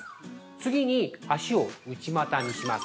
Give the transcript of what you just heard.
次に、足を内股にします。